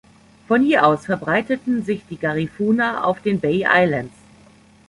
Von hier aus verbreiteten sich die Garifuna auf den Bay Islands.